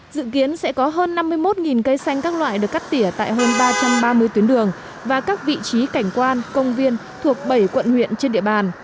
dự kiến sẽ có hơn năm mươi một cây xanh các loại được cắt tỉa tại hơn ba trăm ba mươi tuyến đường và các vị trí cảnh quan công viên thuộc bảy quận huyện trên địa bàn